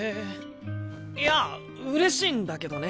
いやうれしいんだけどね。